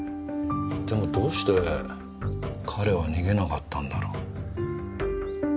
でもどうして彼は逃げなかったんだろう？